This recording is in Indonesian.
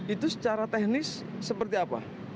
itu secara teknis seperti apa